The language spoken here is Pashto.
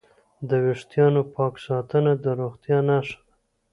د وېښتانو پاک ساتنه د روغتیا نښه ده.